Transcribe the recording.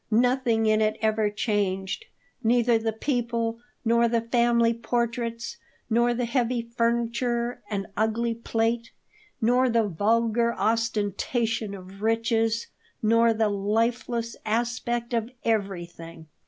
Nothing in it ever changed neither the people, nor the family portraits, nor the heavy furniture and ugly plate, nor the vulgar ostentation of riches, nor the lifeless aspect of everything.